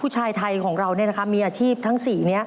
ชายไทยของเรามีอาชีพทั้ง๔นี้